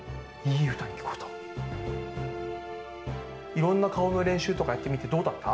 いろんなかおのれんしゅうとかやってみてどうだった？